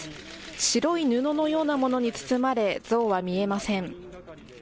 白い布のようなものに包まれ像は見えません。